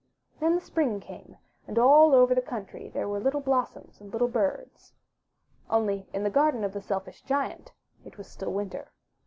Then the Spring came, and all over the country there were little blossoms and little birds. Only in the garden of the Selfish Giant it was still winter.